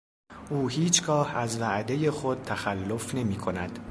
او هیچگاه از وعدهٔ خود تخلف نمیکند.